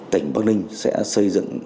tỉnh bắc ninh sẽ xây dựng